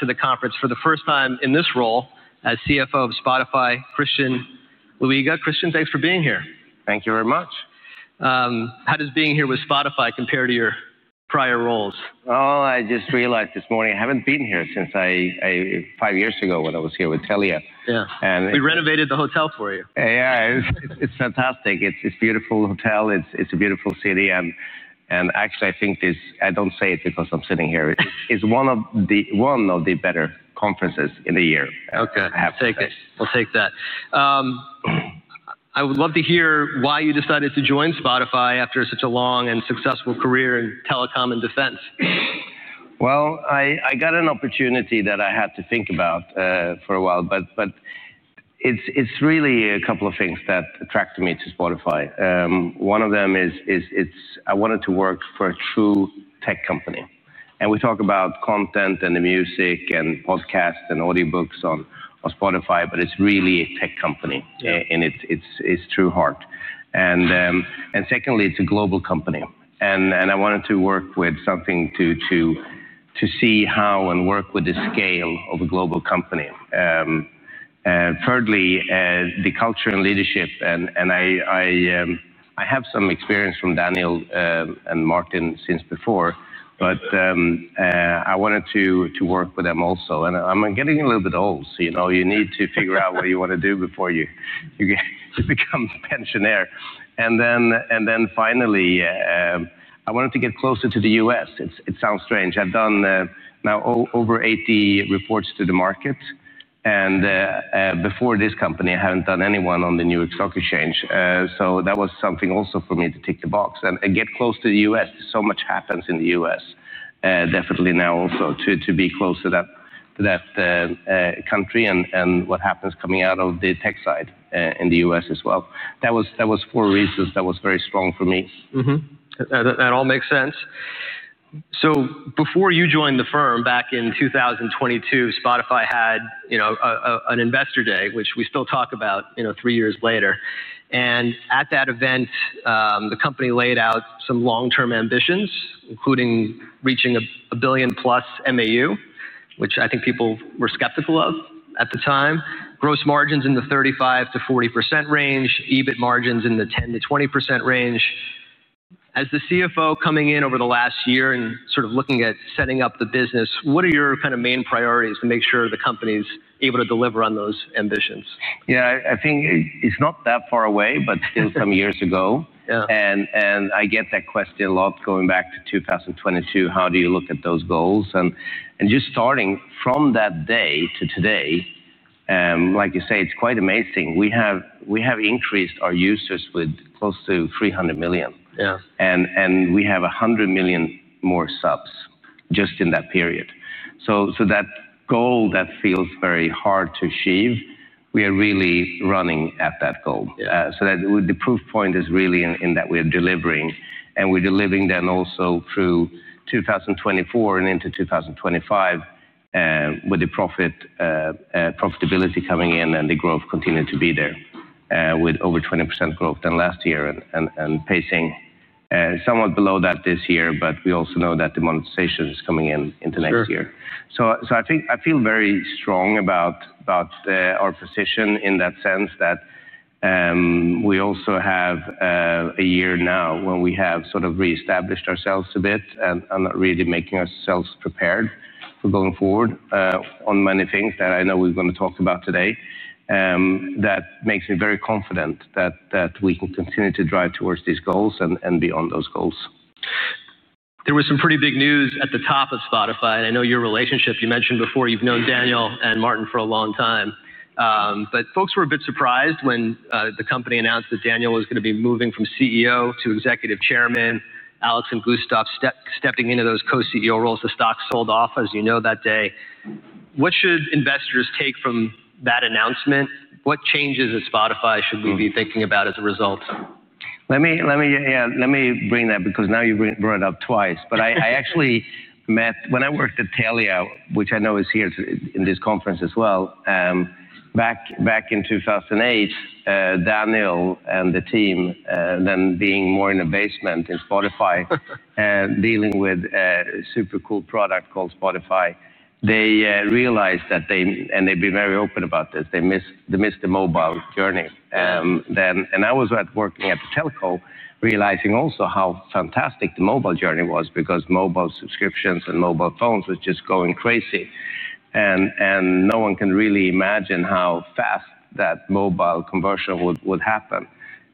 To the conference for the first time in this role as CFO of Spotify, Christian Luiga. Christian, thanks for being here. Thank you very much. How does being here with Spotify compare to your prior roles? Oh, I just realized this morning I haven't been here since five years ago when I was here with Telia. Yeah. We renovated the hotel for you. Yeah, it's fantastic. It's a beautiful hotel. It's a beautiful city. Actually, I think this—I don't say it because I'm sitting here—is one of the better conferences in the year. OK, take it. We'll take that. I would love to hear why you decided to join Spotify after such a long and successful career in telecom and defense. I got an opportunity that I had to think about for a while. It is really a couple of things that attracted me to Spotify. One of them is I wanted to work for a true tech company. We talk about content and the music and podcasts and audiobooks on Spotify, but it is really a tech company in its true heart. Secondly, it is a global company. I wanted to work with something to see how and work with the scale of a global company. Thirdly, the culture and leadership. I have some experience from Daniel and Martin since before. I wanted to work with them also. I am getting a little bit old. You need to figure out what you want to do before you become a pensioner. Finally, I wanted to get closer to the U.S.. It sounds strange. I've done now over 80 reports to the market. Before this company, I haven't done any on the New York Stock Exchange. That was something also for me to tick the box. Get close to the U.S.. So much happens in the U.S., definitely now also to be close to that country and what happens coming out of the tech side in the U.S. as well. That was for reasons that was very strong for me. That all makes sense. Before you joined the firm back in 2022, Spotify had an Investor Day, which we still talk about three years later. At that event, the company laid out some long-term ambitions, including reaching 1+ billion MAU, which I think people were skeptical of at the time, gross margins in the 35%-40% range, EBIT margins in the 10%-20% range. As the CFO coming in over the last year and sort of looking at setting up the business, what are your kind of main priorities to make sure the company's able to deliver on those ambitions? Yeah, I think it's not that far away, but still some years ago. I get that question a lot going back to 2022, how do you look at those goals? Just starting from that day to today, like you say, it's quite amazing. We have increased our users with close to 300 million. We have 100 million more subs just in that period. That goal that feels very hard to achieve, we are really running at that goal. The proof point is really in that we are delivering. We're delivering then also through 2024 and into 2025 with the profitability coming in and the growth continuing to be there with over 20% growth than last year and pacing somewhat below that this year. We also know that the monetization is coming in into next year. I feel very strong about our position in that sense that we also have a year now when we have sort of reestablished ourselves a bit and are not really making ourselves prepared for going forward on many things that I know we're going to talk about today that makes me very confident that we can continue to drive towards these goals and beyond those goals. There was some pretty big news at the top of Spotify. I know your relationship, you mentioned before you've known Daniel and Martin for a long time. Folks were a bit surprised when the company announced that Daniel was going to be moving from CEO to Executive Chairman, Alex and Gustav stepping into those co-CEO roles. The stock sold off, as you know, that day. What should investors take from that announcement? What changes at Spotify should we be thinking about as a result? Let me bring that because now you've brought it up twice. I actually met when I worked at Telia, which I know is here in this conference as well. Back in 2008, Daniel and the team, then being more in the basement in Spotify and dealing with a super cool product called Spotify, they realized that they—and they've been very open about this—they missed the mobile journey. I was working at the telco, realizing also how fantastic the mobile journey was because mobile subscriptions and mobile phones were just going crazy. No one can really imagine how fast that mobile conversion would happen,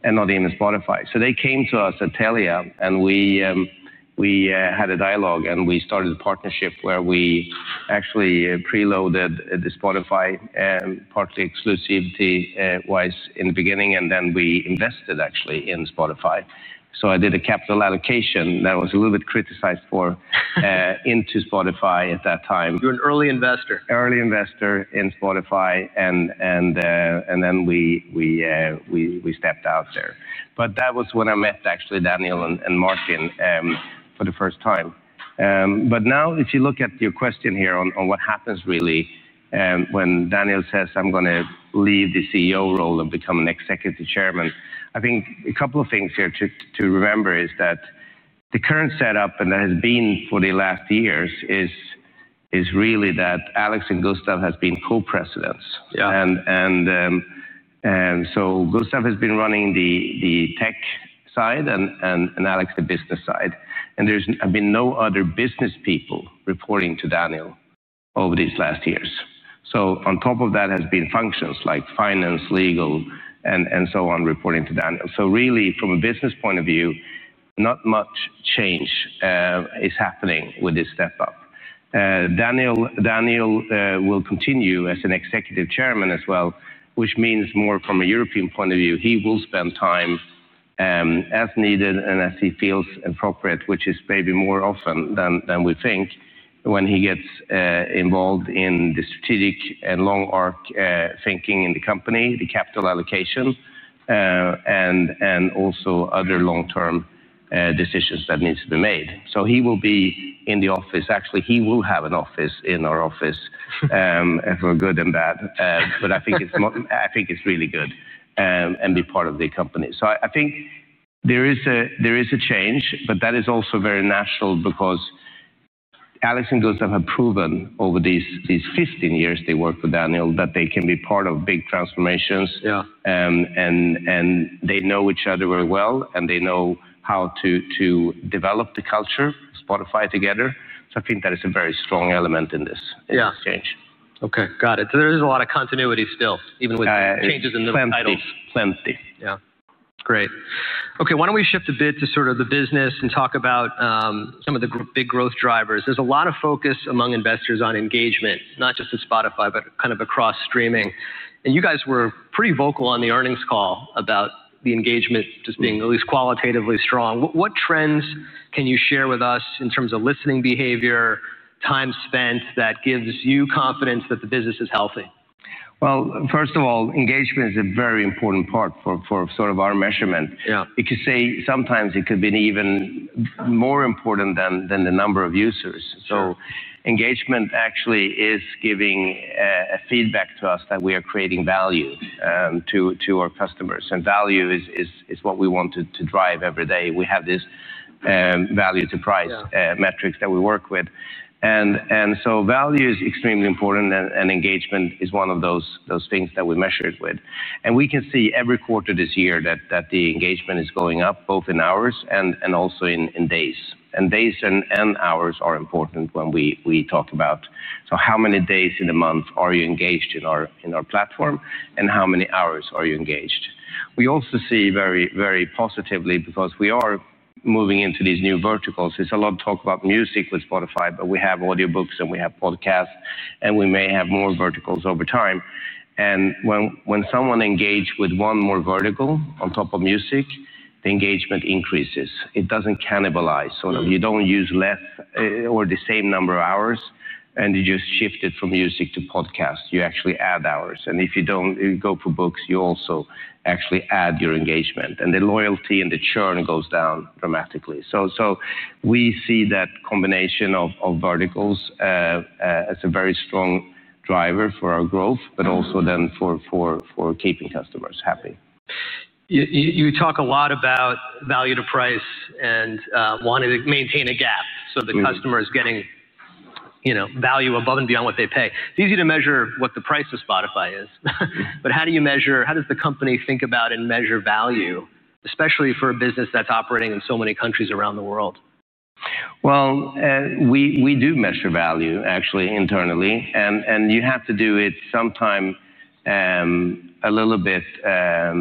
not even Spotify. They came to us at Telia. We had a dialogue. We started a partnership where we actually preloaded the Spotify, partly exclusivity-wise in the beginning. We invested actually in Spotify. I did a capital allocation that was a little bit criticized for into Spotify at that time. You're an early investor. Early investor in Spotify. Then we stepped out there. That was when I met actually Daniel and Martin for the first time. Now, if you look at your question here on what happens really when Daniel says, I'm going to leave the CEO role and become an Executive Chairman, I think a couple of things here to remember is that the current setup, and that has been for the last years, is really that Alex and Gustav have been co-presidents. Gustav has been running the tech side and Alex the business side. There have been no other business people reporting to Daniel over these last years. On top of that have been functions like finance, legal, and so on reporting to Daniel. Really, from a business point of view, not much change is happening with this step up. Daniel will continue as an Executive Chairman as well, which means more from a European point of view, he will spend time as needed and as he feels appropriate, which is maybe more often than we think when he gets involved in the strategic and long-arc thinking in the company, the capital allocation, and also other long-term decisions that need to be made. He will be in the office. Actually, he will have an office in our office for good and bad. I think it's really good and be part of the company. I think there is a change. That is also very natural because Alex and Gustav have proven over these 15 years they worked with Daniel that they can be part of big transformations. They know each other very well. They know how to develop the culture of Spotify together. I think that is a very strong element in this change. OK, got it. There is a lot of continuity still, even with changes in the titles. Plenty. Yeah, great. OK, why don't we shift a bit to sort of the business and talk about some of the big growth drivers? There's a lot of focus among investors on engagement, not just at Spotify, but kind of across streaming. You guys were pretty vocal on the earnings call about the engagement just being at least qualitatively strong. What trends can you share with us in terms of listening behavior, time spent that gives you confidence that the business is healthy? First of all, engagement is a very important part for sort of our measurement. You could say sometimes it could be even more important than the number of users. Engagement actually is giving feedback to us that we are creating value to our customers. Value is what we want to drive every day. We have this value-to-price metrics that we work with. Value is extremely important. Engagement is one of those things that we measured with. We can see every quarter this year that the engagement is going up, both in hours and also in days. Days and hours are important when we talk about how many days in a month are you engaged in our platform and how many hours are you engaged. We also see very positively because we are moving into these new verticals. There's a lot of talk about music with Spotify. We have audiobooks and we have podcasts. We may have more verticals over time. When someone engages with one more vertical on top of music, the engagement increases. It does not cannibalize. You do not use less or the same number of hours, and you do not just shift it from music to podcasts. You actually add hours. If you do not go for books, you also actually add your engagement. The loyalty and the churn goes down dramatically. We see that combination of verticals as a very strong driver for our growth, but also for keeping customers happy. You talk a lot about value-to-price and wanting to maintain a gap so the customer is getting value above and beyond what they pay. It's easy to measure what the price of Spotify is. How do you measure, how does the company think about and measure value, especially for a business that's operating in so many countries around the world? We do measure value actually internally. You have to do it sometimes a little bit as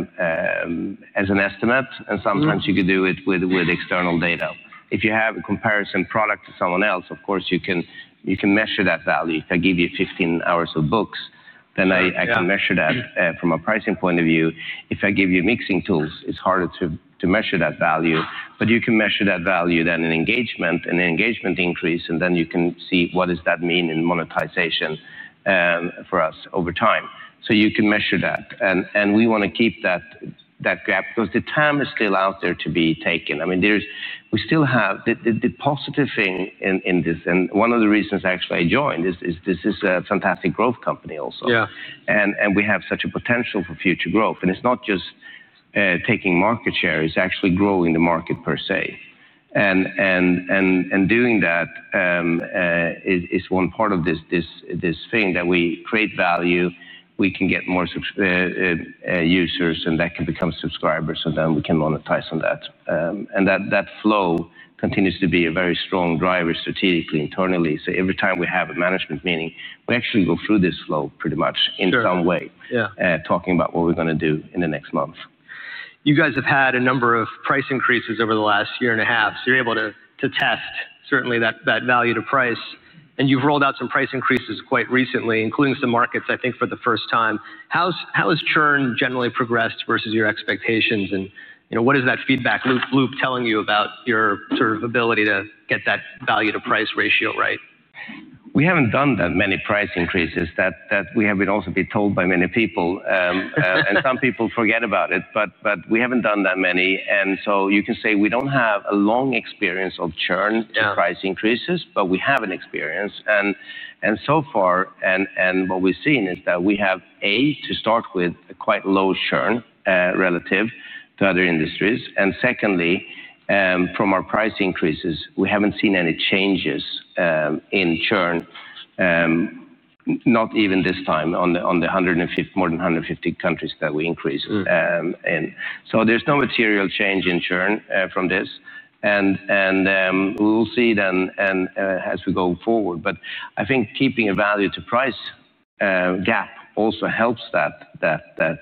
an estimate. Sometimes you could do it with external data. If you have a comparison product to someone else, of course, you can measure that value. If I give you 15 hours of books, then I can measure that from a pricing point of view. If I give you mixing tools, it's harder to measure that value. You can measure that value then in engagement and engagement increase. You can see what does that mean in monetization for us over time. You can measure that. We want to keep that gap because the time is still out there to be taken. I mean, we still have the positive thing in this. One of the reasons actually I joined is this is a fantastic growth company also. We have such a potential for future growth. It is not just taking market share. It is actually growing the market per se. Doing that is one part of this thing that we create value. We can get more users. That can become subscribers. Then we can monetize on that. That flow continues to be a very strong driver strategically internally. Every time we have a management meeting, we actually go through this flow pretty much in some way talking about what we are going to do in the next month. You guys have had a number of price increases over the last year and a half. You are able to test certainly that value-to-price. You have rolled out some price increases quite recently, including some markets, I think, for the first time. How has churn generally progressed versus your expectations? What is that feedback loop telling you about your sort of ability to get that value-to-price ratio right? We haven't done that many price increases that we have also been told by many people. And some people forget about it. But we haven't done that many. You can say we don't have a long experience of churn to price increases. We have an experience. So far, what we've seen is that we have, A, to start with, quite low churn relative to other industries. Secondly, from our price increases, we haven't seen any changes in churn, not even this time on the more than 150 countries that we increased in. There's no material change in churn from this. We will see then as we go forward. I think keeping a value-to-price gap also helps that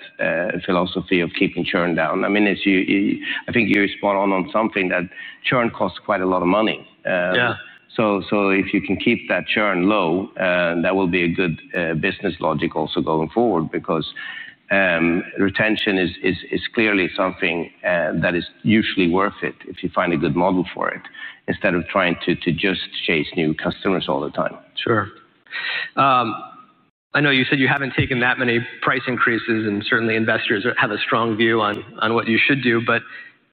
philosophy of keeping churn down. I mean, I think you're spot on on something that churn costs quite a lot of money. If you can keep that churn low, that will be a good business logic also going forward because retention is clearly something that is usually worth it if you find a good model for it instead of trying to just chase new customers all the time. Sure. I know you said you haven't taken that many price increases. Investors have a strong view on what you should do.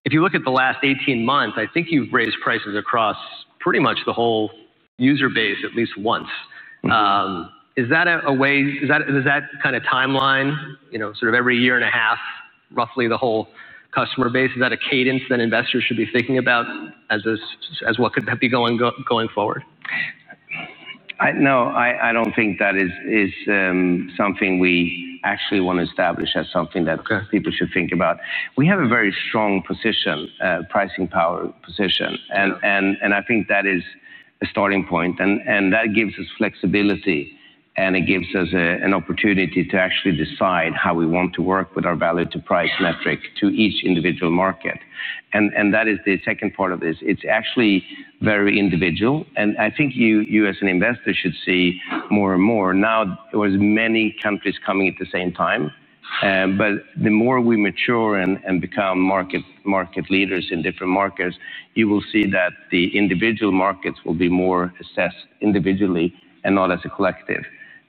If you look at the last 18 months, I think you've raised prices across pretty much the whole user base at least once. Is that a way? Is that kind of timeline, sort of every year and a half, roughly the whole customer base? Is that a cadence that investors should be thinking about as what could be going forward? No, I don't think that is something we actually want to establish as something that people should think about. We have a very strong pricing power position. I think that is a starting point. That gives us flexibility. It gives us an opportunity to actually decide how we want to work with our value-to-price metric to each individual market. That is the second part of this. It's actually very individual. I think you as an investor should see more and more. Now, there were many countries coming at the same time. The more we mature and become market leaders in different markets, you will see that the individual markets will be more assessed individually and not as a collective.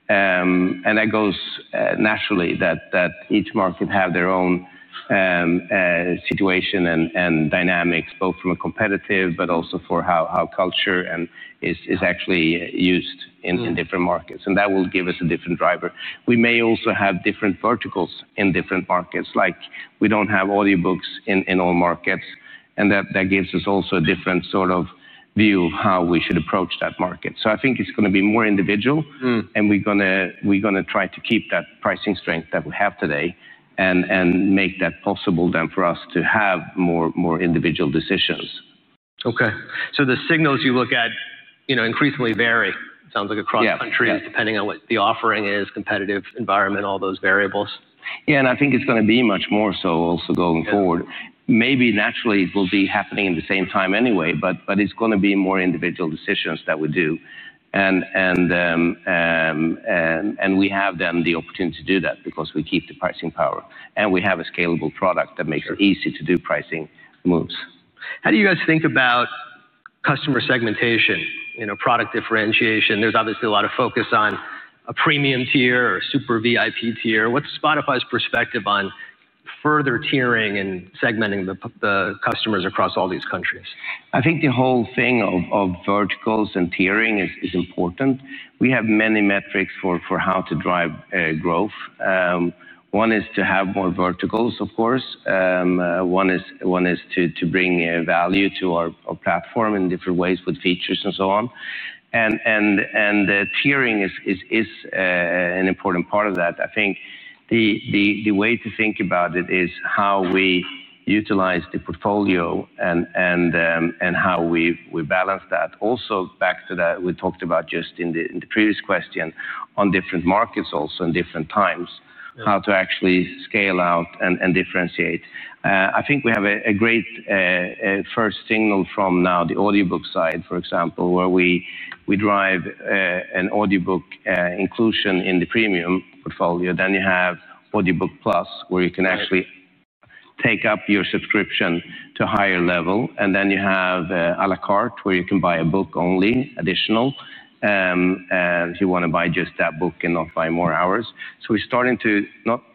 That goes naturally that each market has their own situation and dynamics, both from a competitive but also for how culture is actually used in different markets. That will give us a different driver. We may also have different verticals in different markets. Like, we don't have audiobooks in all markets. That gives us also a different sort of view of how we should approach that market. I think it's going to be more individual. We're going to try to keep that pricing strength that we have today and make that possible then for us to have more individual decisions. OK. So the signals you look at increasingly vary, it sounds like, across countries depending on what the offering is, competitive environment, all those variables. Yeah. I think it's going to be much more so also going forward. Maybe naturally, it will be happening at the same time anyway. It is going to be more individual decisions that we do. We have then the opportunity to do that because we keep the pricing power. We have a scalable product that makes it easy to do pricing moves. How do you guys think about customer segmentation, product differentiation? There's obviously a lot of focus on a premium tier or super VIP tier. What's Spotify's perspective on further tiering and segmenting the customers across all these countries? I think the whole thing of verticals and tiering is important. We have many metrics for how to drive growth. One is to have more verticals, of course. One is to bring value to our platform in different ways with features and so on. Tiering is an important part of that. I think the way to think about it is how we utilize the portfolio and how we balance that. Also, back to that we talked about just in the previous question on different markets also in different times, how to actually scale out and differentiate. I think we have a great first signal from now the audiobook side, for example, where we drive an audiobook inclusion in the premium portfolio. You have Audiobook+, where you can actually take up your subscription to a higher level. You have à la carte, where you can buy a book only additional if you want to buy just that book and not buy more hours. We are starting to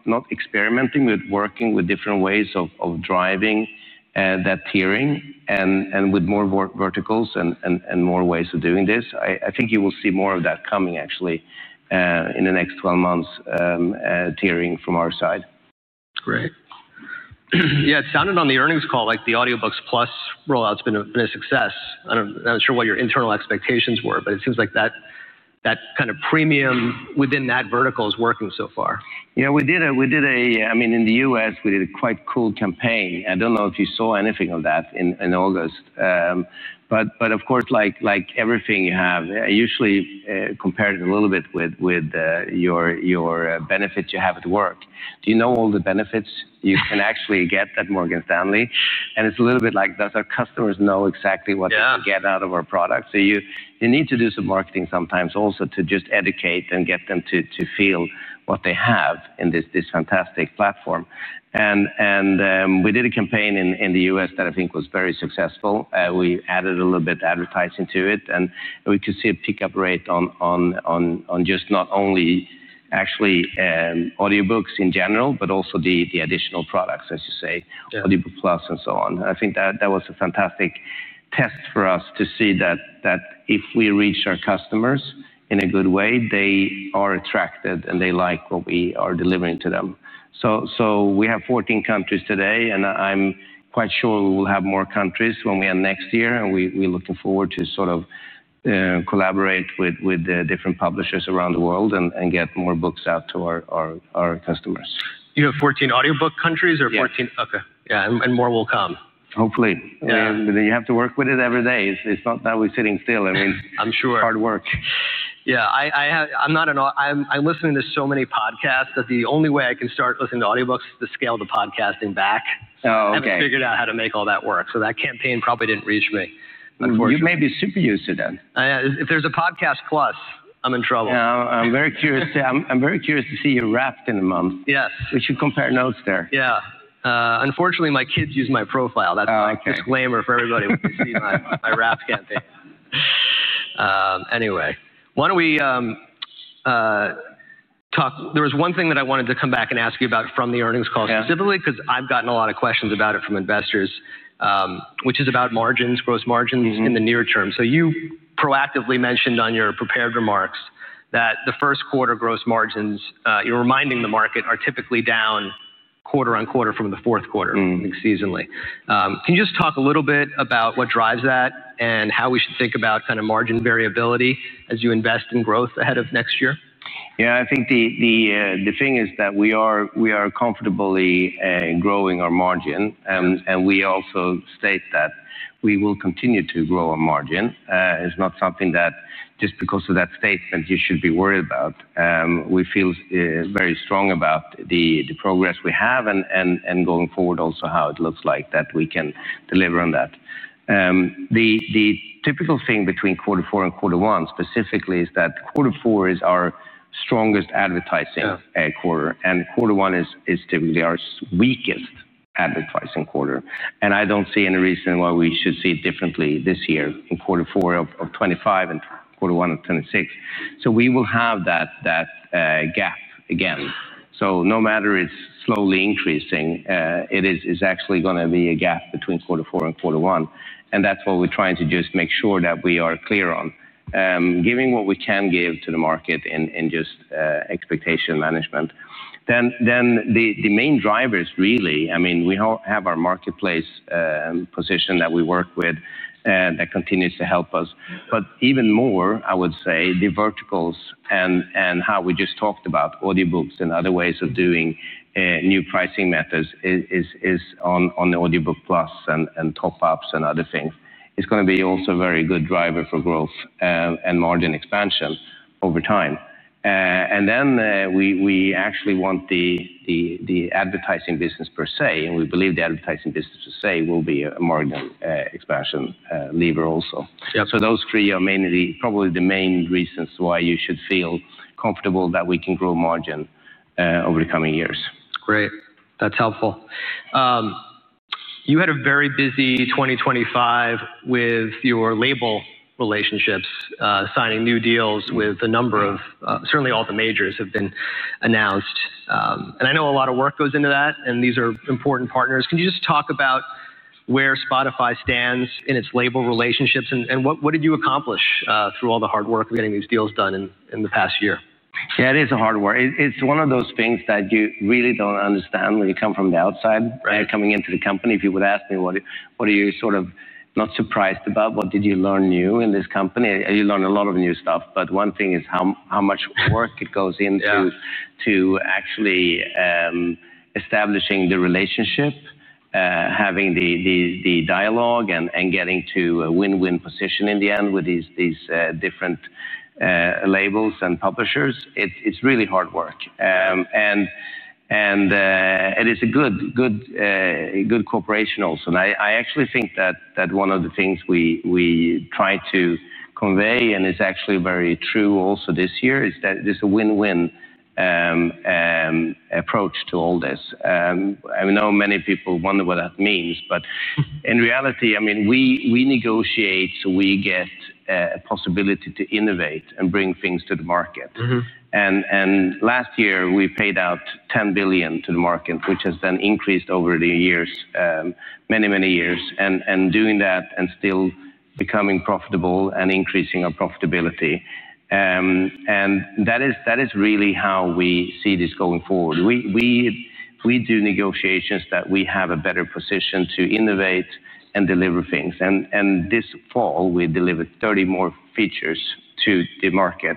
not experimenting with working with different ways of driving that tiering and with more verticals and more ways of doing this. I think you will see more of that coming actually in the next 12 months tiering from our side. Great. Yeah, it sounded on the earnings call like the Audiobook+ rollout's been a success. I'm not sure what your internal expectations were. It seems like that kind of premium within that vertical is working so far. Yeah, we did a, I mean, in the U.S., we did a quite cool campaign. I don't know if you saw anything of that in August. Of course, like everything you have, I usually compare it a little bit with your benefits you have at work. Do you know all the benefits you can actually get at Morgan Stanley? It's a little bit like, does our customers know exactly what they can get out of our product? You need to do some marketing sometimes also to just educate and get them to feel what they have in this fantastic platform. We did a campaign in the U.S. that I think was very successful. We added a little bit of advertising to it. We could see a pickup rate on not only actually audiobooks in general, but also the additional products, as you say, Audiobook+ and so on. I think that was a fantastic test for us to see that if we reach our customers in a good way, they are attracted and they like what we are delivering to them. We have 14 countries today. I am quite sure we will have more countries when we end next year. We are looking forward to sort of collaborate with different publishers around the world and get more books out to our customers. You have 14 audiobook countries or 14? Yeah. OK. Yeah, and more will come. Hopefully. You have to work with it every day. It's not that we're sitting still. I mean, hard work. Yeah, I'm listening to so many podcasts that the only way I can start listening to audiobooks is to scale the podcasting back. Oh, OK. [I haven't] figured out how to make all that work. That campaign probably didn't reach me, unfortunately. You may be super used to them. If there's a Podcast+, I'm in trouble. Yeah, I'm very curious to see your Wrapped in a month. We should compare notes there. Yeah. Unfortunately, my kids use my profile. That's a disclaimer for everybody when they see my Wrapped campaign. Anyway, why don't we talk? There was one thing that I wanted to come back and ask you about from the earnings call specifically because I've gotten a lot of questions about it from investors, which is about margins, gross margins in the near term. You proactively mentioned on your prepared remarks that the first quarter gross margins, you're reminding the market, are typically down quarter on quarter from the fourth quarter seasonally. Can you just talk a little bit about what drives that and how we should think about kind of margin variability as you invest in growth ahead of next year? Yeah, I think the thing is that we are comfortably growing our margin. And we also state that we will continue to grow our margin. It's not something that just because of that statement you should be worried about. We feel very strong about the progress we have and going forward also how it looks like that we can deliver on that. The typical thing between quarter four and quarter one specifically is that quarter four is our strongest advertising quarter. And quarter one is typically our weakest advertising quarter. I don't see any reason why we should see it differently this year in quarter four of 2025 and quarter one of 2026. We will have that gap again. No matter it's slowly increasing, it is actually going to be a gap between quarter four and quarter one. That is what we are trying to just make sure that we are clear on, giving what we can give to the market in just expectation management. The main drivers really, I mean, we have our marketplace position that we work with that continues to help us. Even more, I would say, the verticals and how we just talked about audiobooks and other ways of doing new pricing methods is on the Audiobook+ and top-ups and other things. It is going to be also a very good driver for growth and margin expansion over time. We actually want the advertising business per se. We believe the advertising business per se will be a margin expansion lever also. Those three are probably the main reasons why you should feel comfortable that we can grow margin over the coming years. Great. That's helpful. You had a very busy 2025 with your label relationships, signing new deals with a number of certainly all the majors have been announced. I know a lot of work goes into that. These are important partners. Can you just talk about where Spotify stands in its label relationships? What did you accomplish through all the hard work of getting these deals done in the past year? Yeah, it is hard work. It's one of those things that you really don't understand when you come from the outside coming into the company. If you would ask me, what are you sort of not surprised about? What did you learn new in this company? You learn a lot of new stuff. One thing is how much work it goes into actually establishing the relationship, having the dialogue, and getting to a win-win position in the end with these different labels and publishers. It's really hard work. It is a good cooperation also. I actually think that one of the things we try to convey, and it's actually very true also this year, is that it is a win-win approach to all this. I know many people wonder what that means. In reality, I mean, we negotiate so we get a possibility to innovate and bring things to the market. Last year, we paid out $10 billion to the market, which has then increased over the years, many, many years, and doing that and still becoming profitable and increasing our profitability. That is really how we see this going forward. We do negotiations that we have a better position to innovate and deliver things. This fall, we delivered 30 more features to the market.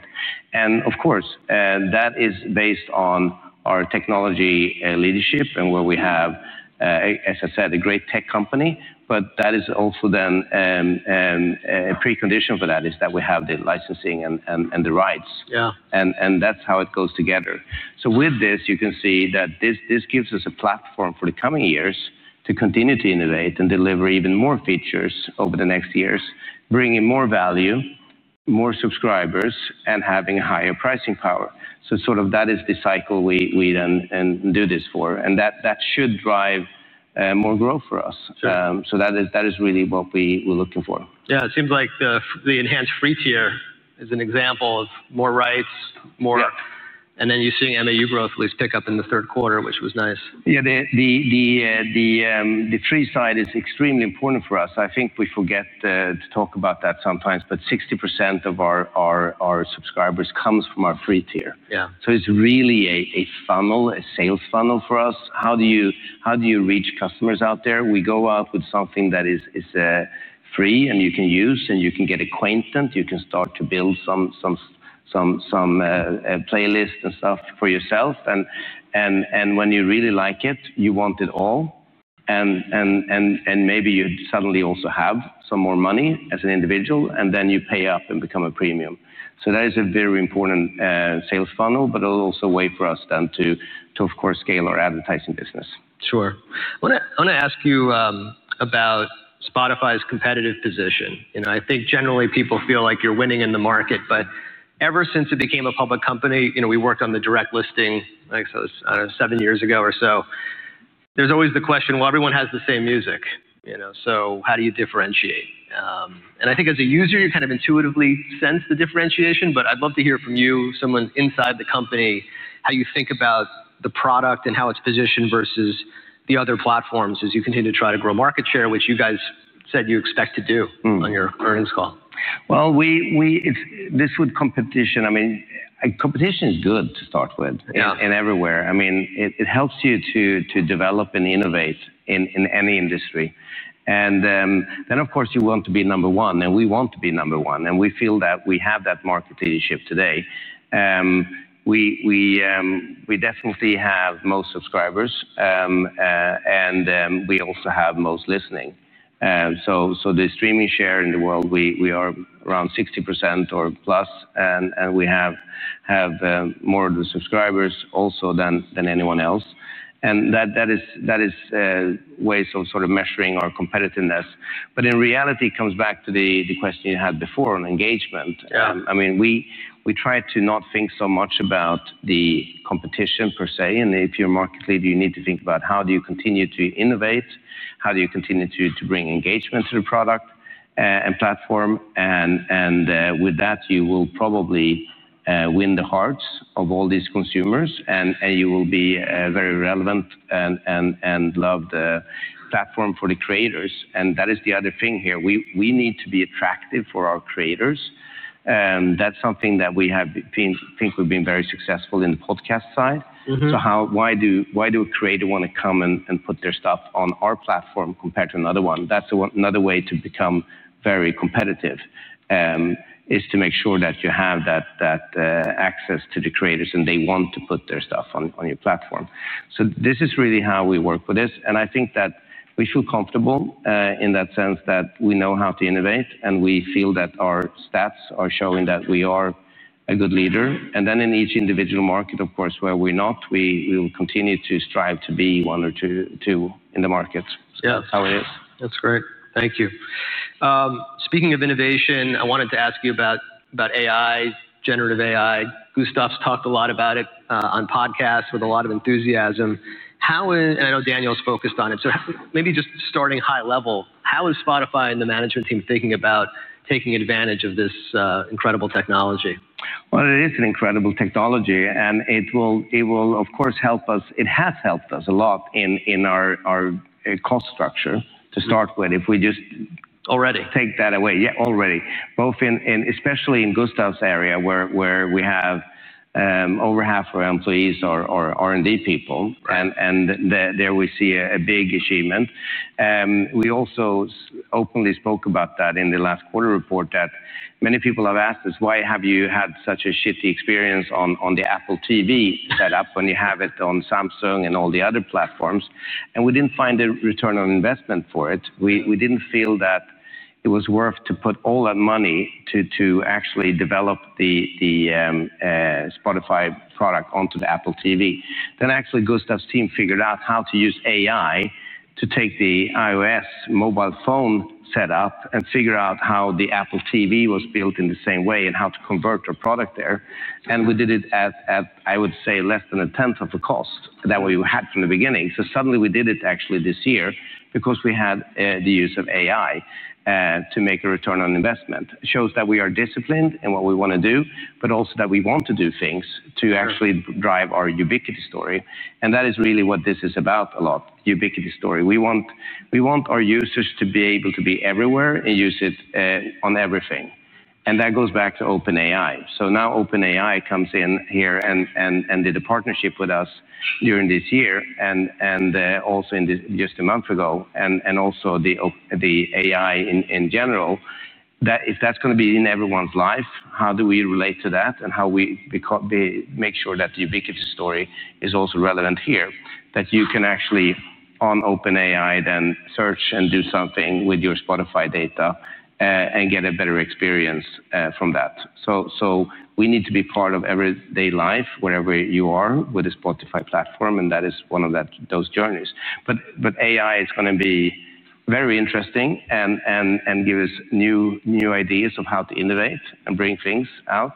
Of course, that is based on our technology leadership and where we have, as I said, a great tech company. That is also then a precondition for that is that we have the licensing and the rights. That is how it goes together. With this, you can see that this gives us a platform for the coming years to continue to innovate and deliver even more features over the next years, bringing more value, more subscribers, and having a higher pricing power. Sort of that is the cycle we then do this for. That should drive more growth for us. That is really what we were looking for. Yeah, it seems like the enhanced free tier is an example of more rights, more. And then you're seeing MAU growth at least pick up in the third quarter, which was nice. Yeah, the free side is extremely important for us. I think we forget to talk about that sometimes. But 60% of our subscribers comes from our free tier. It is really a funnel, a sales funnel for us. How do you reach customers out there? We go out with something that is free, and you can use, and you can get acquaintant. You can start to build some playlist and stuff for yourself. When you really like it, you want it all. Maybe you suddenly also have some more money as an individual. Then you pay up and become a premium. That is a very important sales funnel, but also a way for us then to, of course, scale our advertising business. Sure. I want to ask you about Spotify's competitive position. I think generally people feel like you're winning in the market. Ever since it became a public company, we worked on the direct listing, I think it was seven years ago or so. There's always the question, everyone has the same music. How do you differentiate? I think as a user, you kind of intuitively sense the differentiation. I'd love to hear from you, someone inside the company, how you think about the product and how it's positioned versus the other platforms as you continue to try to grow market share, which you guys said you expect to do on your earnings call. Competition is good to start with and everywhere. It helps you to develop and innovate in any industry. Of course, you want to be number one. We want to be number one. We feel that we have that market leadership today. We definitely have most subscribers. We also have most listening. The streaming share in the world, we are around 60% or plus. We have more of the subscribers also than anyone else. That is ways of sort of measuring our competitiveness. In reality, it comes back to the question you had before on engagement. I mean, we try to not think so much about the competition per se. If you are a market leader, you need to think about how do you continue to innovate? How do you continue to bring engagement to the product and platform? With that, you will probably win the hearts of all these consumers. You will be a very relevant and loved platform for the creators. That is the other thing here. We need to be attractive for our creators. That's something that we think we've been very successful in on the podcast side. Why does a creator want to come and put their stuff on our platform compared to another one? Another way to become very competitive is to make sure that you have that access to the creators, and they want to put their stuff on your platform. This is really how we work with this. I think that we feel comfortable in that sense that we know how to innovate. We feel that our stats are showing that we are a good leader. In each individual market, of course, where we're not, we will continue to strive to be one or two in the market. That's how it is. That's great. Thank you. Speaking of innovation, I wanted to ask you about AI, generative AI. Gustav's talked a lot about it on podcasts with a lot of enthusiasm. I know Daniel's focused on it. Maybe just starting high level, how is Spotify and the management team thinking about taking advantage of this incredible technology? It is an incredible technology. It will, of course, help us. It has helped us a lot in our cost structure to start with if we just. Already. Take that away. Yeah, already. Both in, especially in Gustav's area, where we have over half our employees are R&D people. And there we see a big achievement. We also openly spoke about that in the last quarter report that many people have asked us, why have you had such a shitty experience on the Apple TV setup when you have it on Samsung and all the other platforms? We didn't find a return on investment for it. We didn't feel that it was worth to put all that money to actually develop the Spotify product onto the Apple TV. Then actually, Gustav's team figured out how to use AI to take the iOS mobile phone setup and figure out how the Apple TV was built in the same way and how to convert our product there. We did it at, I would say, less than a tenth of the cost that we had from the beginning. Suddenly, we did it actually this year because we had the use of AI to make a return on investment. It shows that we are disciplined in what we want to do, but also that we want to do things to actually drive our Ubiquiti story. That is really what this is about a lot, Ubiquiti story. We want our users to be able to be everywhere and use it on everything. That goes back to OpenAI. Now OpenAI comes in here and did a partnership with us during this year and also just a month ago. Also the AI in general, if that's going to be in everyone's life, how do we relate to that and how we make sure that the Ubiquiti story is also relevant here? That you can actually on OpenAI then search and do something with your Spotify data and get a better experience from that. We need to be part of everyday life wherever you are with the Spotify platform. That is one of those journeys. AI is going to be very interesting and give us new ideas of how to innovate and bring things out.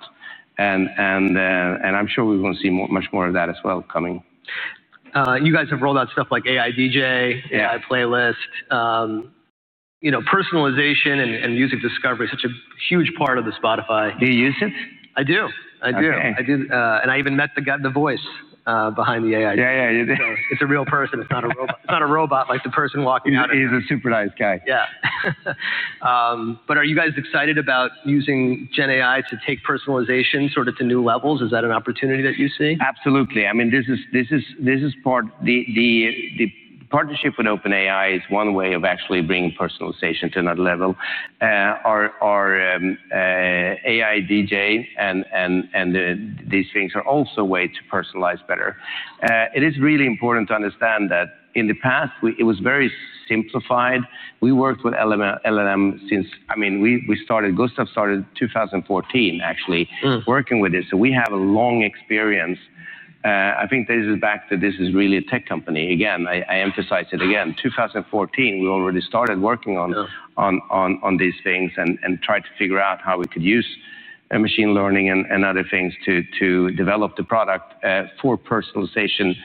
I'm sure we're going to see much more of that as well coming. You guys have rolled out stuff like AI DJ, AI Playlist, personalization, and music discovery. Such a huge part of Spotify. Do you use it? I do. I do. I even met the voice behind the AI. Yeah, yeah, you did? It's a real person. It's not a robot. It's not a robot like the person walking out of. He's a super nice guy. Yeah. Are you guys excited about using GenAI to take personalization sort of to new levels? Is that an opportunity that you see? Absolutely. I mean, this is part the partnership with OpenAI is one way of actually bringing personalization to another level. Our AI DJ and these things are also a way to personalize better. It is really important to understand that in the past, it was very simplified. We worked with LLM since, I mean, Gustav started 2014, actually, working with this. So we have a long experience. I think this is back to this is really a tech company. Again, I emphasize it again. 2014, we already started working on these things and tried to figure out how we could use machine learning and other things to develop the product for personalization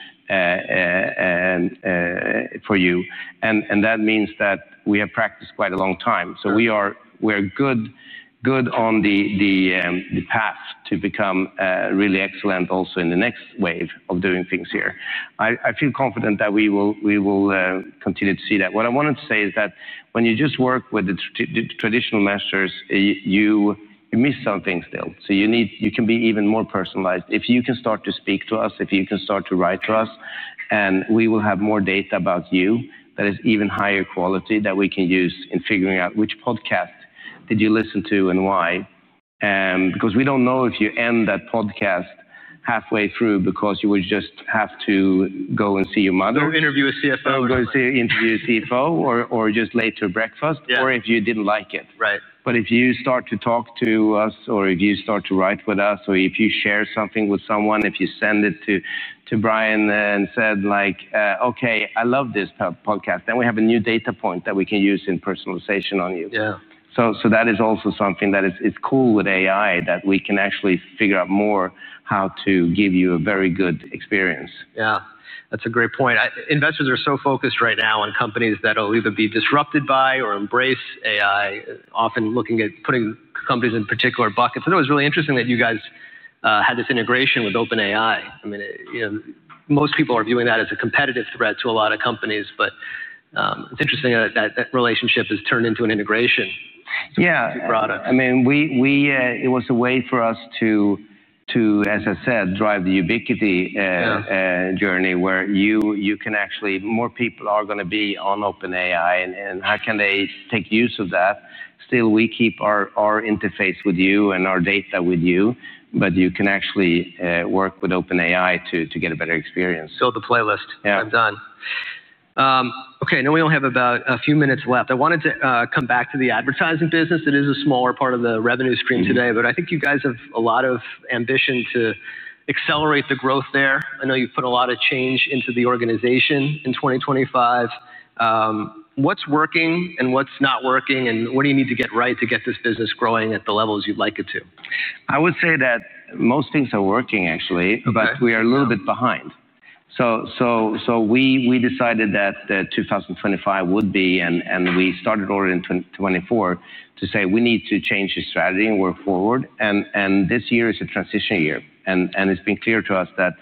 for you. That means that we have practiced quite a long time. We are good on the path to become really excellent also in the next wave of doing things here. I feel confident that we will continue to see that. What I wanted to say is that when you just work with the traditional measures, you miss something still. You can be even more personalized if you can start to speak to us, if you can start to write to us. We will have more data about you that is even higher quality that we can use in figuring out which podcast did you listen to and why. We do not know if you end that podcast halfway through because you would just have to go and see your mother. Go interview a CFO. Or go interview a CFO or just late to breakfast or if you did not like it. If you start to talk to us or if you start to write with us or if you share something with someone, if you send it to Brian and said like, OK, I love this podcast. We have a new data point that we can use in personalization on you. That is also something that is cool with AI that we can actually figure out more how to give you a very good experience. Yeah. That's a great point. Investors are so focused right now on companies that will either be disrupted by or embrace AI, often looking at putting companies in particular buckets. I thought it was really interesting that you guys had this integration with OpenAI. I mean, most people are viewing that as a competitive threat to a lot of companies. It's interesting that that relationship has turned into an integration to product. Yeah. I mean, it was a way for us to, as I said, drive the Ubiquiti journey where you can actually more people are going to be on OpenAI. And how can they take use of that? Still, we keep our interface with you and our data with you. But you can actually work with OpenAI to get a better experience. Build the playlist. I'm done. OK, I know we only have a few minutes left. I wanted to come back to the advertising business. It is a smaller part of the revenue stream today. I think you guys have a lot of ambition to accelerate the growth there. I know you've put a lot of change into the organization in 2025. What's working and what's not working? What do you need to get right to get this business growing at the levels you'd like it to? I would say that most things are working, actually. We are a little bit behind. We decided that 2025 would be. We started already in 2024 to say we need to change the strategy and work forward. This year is a transition year. It has been clear to us that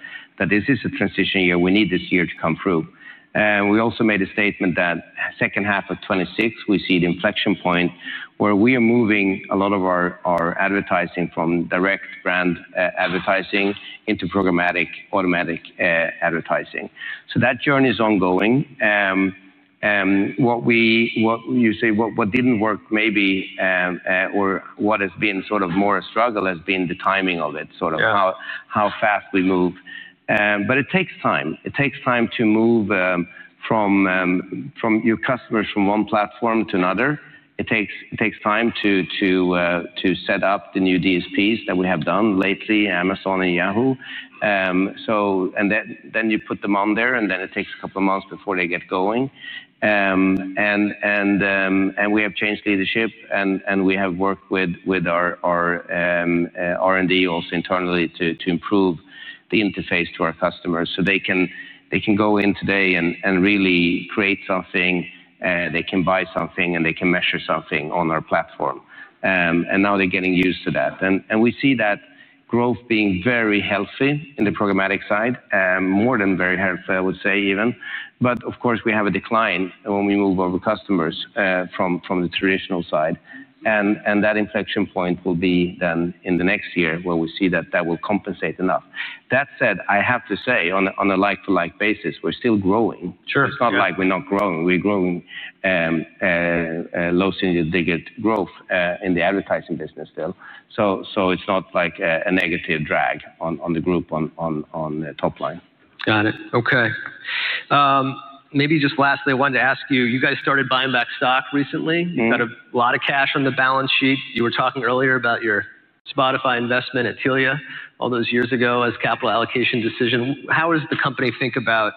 this is a transition year. We need this year to come through. We also made a statement that second half of 2026, we see the inflection point where we are moving a lot of our advertising from direct brand advertising into programmatic automatic advertising. That journey is ongoing. What you say, what did not work maybe or what has been sort of more a struggle has been the timing of it, sort of how fast we move. It takes time. It takes time to move your customers from one platform to another. It takes time to set up the new DSPs that we have done lately, Amazon and Yahoo. You put them on there. It takes a couple of months before they get going. We have changed leadership. We have worked with our R&D also internally to improve the interface to our customers so they can go in today and really create something. They can buy something. They can measure something on our platform. Now they're getting used to that. We see that growth being very healthy in the programmatic side, more than very healthy, I would say even. Of course, we have a decline when we move our customers from the traditional side. That inflection point will be then in the next year where we see that that will compensate enough. That said, I have to say on a like-for-like basis, we're still growing. Sure. It's not like we're not growing. We're growing low single-digit growth in the advertising business still. It's not like a negative drag on the group on top line. Got it. OK. Maybe just lastly, I wanted to ask you, you guys started buying back stock recently. You've got a lot of cash on the balance sheet. You were talking earlier about your Spotify investment at Telia all those years ago as capital allocation decision. How does the company think about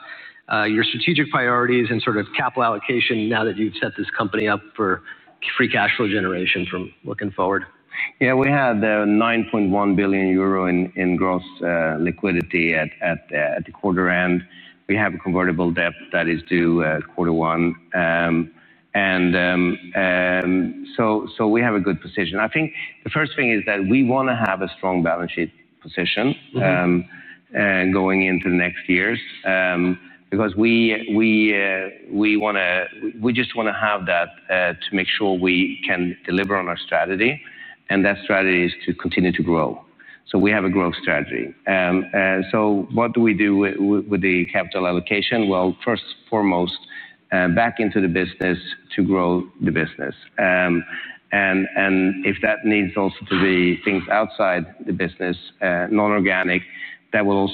your strategic priorities and sort of capital allocation now that you've set this company up for free cash flow generation from looking forward? Yeah, we had 9.1 billion euro in gross liquidity at the quarter end. We have a convertible debt that is due at quarter one. We have a good position. I think the first thing is that we want to have a strong balance sheet position going into the next years because we just want to have that to make sure we can deliver on our strategy. That strategy is to continue to grow. We have a growth strategy. What do we do with the capital allocation? First and foremost, back into the business to grow the business. If that needs also to be things outside the business, non-organic,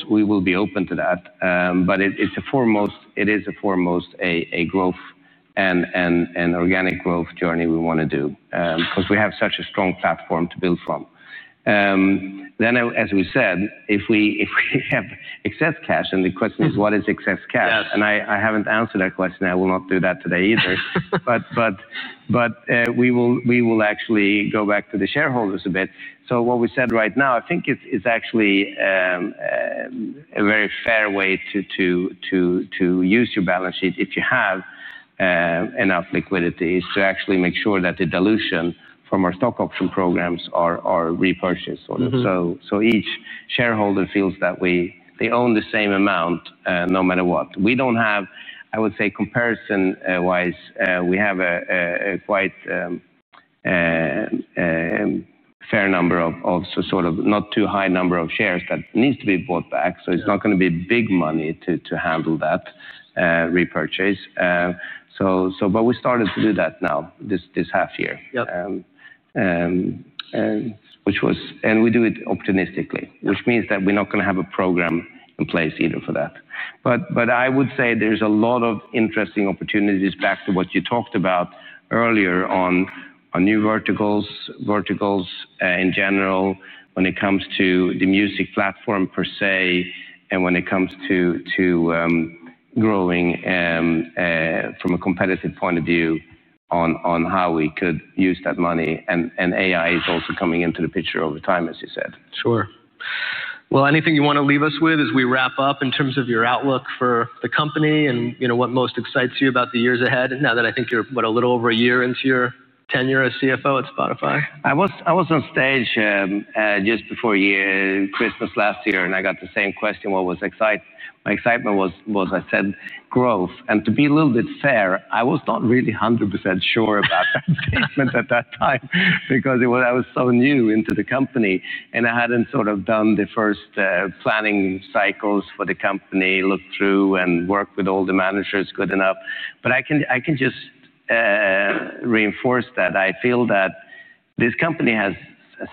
we will be open to that. It is foremost a growth and organic growth journey we want to do because we have such a strong platform to build from. As we said, if we have excess cash, and the question is, what is excess cash? I haven't answered that question. I will not do that today either. We will actually go back to the shareholders a bit. What we said right now, I think it's actually a very fair way to use your balance sheet if you have enough liquidity is to actually make sure that the dilution from our stock option programs are repurchased. Each shareholder feels that they own the same amount no matter what. We don't have, I would say, comparison-wise, we have a quite fair number of, sort of, not too high number of shares that need to be bought back. It's not going to be big money to handle that repurchase. We started to do that now this half year, which was, and we do it optimistically, which means that we're not going to have a program in place either for that. I would say there's a lot of interesting opportunities back to what you talked about earlier on new verticals in general when it comes to the music platform per se and when it comes to growing from a competitive point of view on how we could use that money. AI is also coming into the picture over time, as you said. Sure. Anything you want to leave us with as we wrap up in terms of your outlook for the company and what most excites you about the years ahead now that I think you're a little over a year into your tenure as CFO at Spotify? I was on stage just before Christmas last year. I got the same question. What was my excitement was, I said, growth. To be a little bit fair, I was not really 100% sure about that statement at that time because I was so new into the company. I had not sort of done the first planning cycles for the company, looked through and worked with all the managers good enough. I can just reinforce that I feel that this company has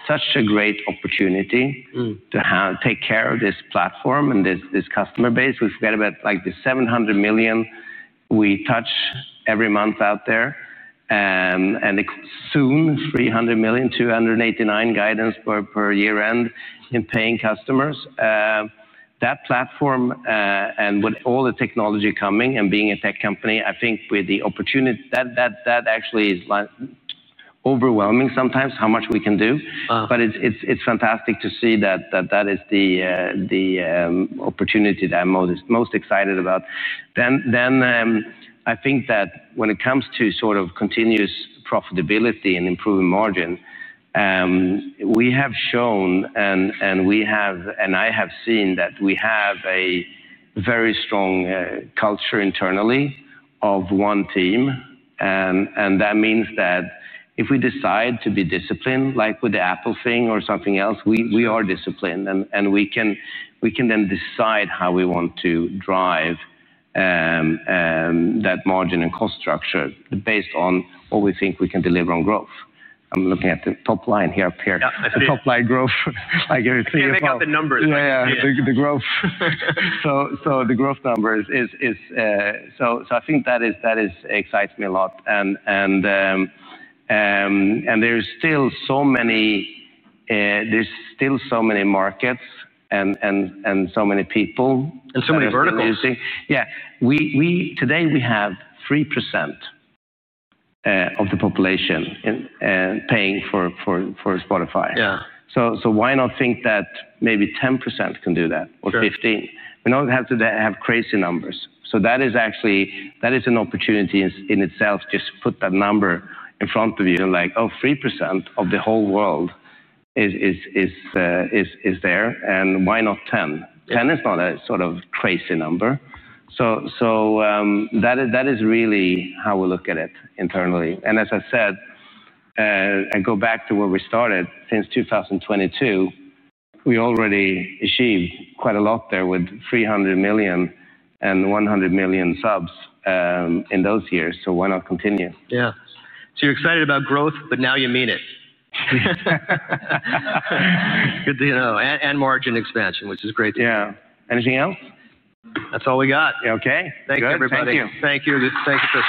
such a great opportunity to take care of this platform and this customer base. We forget about like the $700 million we touch every month out there. Soon, $300 million, $289 million guidance per year-end in paying customers. That platform and with all the technology coming and being a tech company, I think with the opportunity, that actually is overwhelming sometimes how much we can do. It is fantastic to see that that is the opportunity that I'm most excited about. I think that when it comes to sort of continuous profitability and improving margin, we have shown and I have seen that we have a very strong culture internally of one team. That means that if we decide to be disciplined, like with the Apple thing or something else, we are disciplined. We can then decide how we want to drive that margin and cost structure based on what we think we can deliver on growth. I'm looking at the top line here up here. Yeah. I see top line growth. Like you're seeing it. I forget the numbers. Yeah, the growth. The growth numbers is so I think that excites me a lot. And there's still so many markets and so many people. So many verticals. Yeah. Today, we have 3% of the population paying for Spotify. Yeah. Why not think that maybe 10% can do that or 15%? We do not have to have crazy numbers. That is actually an opportunity in itself, just put that number in front of you. Like, oh, 3% of the whole world is there. Why not 10%? 10% is not a sort of crazy number. That is really how we look at it internally. As I said, I go back to where we started. Since 2022, we already achieved quite a lot there with $300 million and 100 million subs in those years. Why not continue? Yeah. You're excited about growth. Now you mean it. Good to know. And margin expansion, which is great to know. Yeah. Anything else? That's all we got. OK. Thank you, everybody. Thank you.